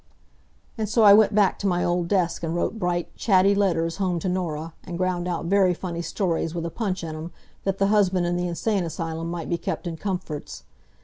And so I went back to my old desk, and wrote bright, chatty letters home to Norah, and ground out very funny stories with a punch in 'em, that the husband in the insane asylum might be kept in comforts.